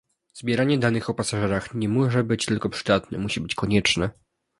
Zbieranie danych o pasażerach nie może być tylko przydatne - musi być konieczne